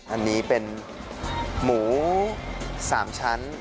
อันนี้เป็นหมู๓ชั้น